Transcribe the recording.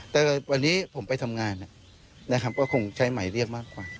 แต่วันนี้ผมไปทำงานนะครับก็คงใช้หมายเรียกมากกว่า